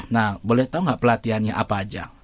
nah boleh tahu nggak pelatihannya apa aja